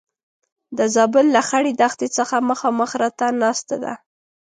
د زابل له خړې دښتې څخه مخامخ راته ناسته ده.